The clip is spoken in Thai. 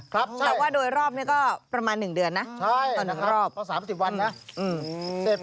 ตั้งแต่โดยรอบเนี้ยก็ประมาณหนึ่งเดือนนะใช่นะครับเพราะสามสิบวันนะอืม